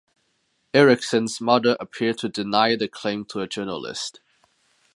Erickson's mother appeared to deny the claim to a journalist.